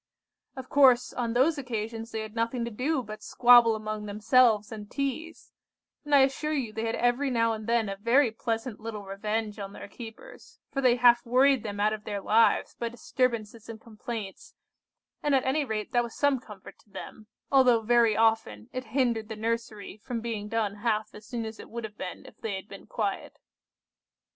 "Of course, on those occasions they had nothing to do but squabble among themselves and teaze; and I assure you they had every now and then a very pleasant little revenge on their keepers, for they half worried them out of their lives by disturbances and complaints, and at any rate that was some comfort to them, although very often it hindered the nursery from being done half as soon as it would have been if they had been quiet.